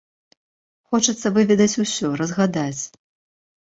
Хочацца выведаць усё, разгадаць.